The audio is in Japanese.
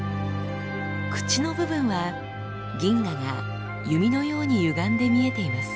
口の部分は銀河が弓のようにゆがんで見えています。